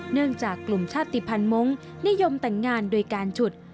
เนื่องจากกลุ่มชาติภัณฑ์มงค์นิยมแต่งงานโดยการฉุด